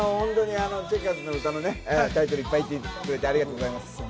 チェッカーズの歌のね、タイトルをいっぱい言ってくれて、ありがとうございます。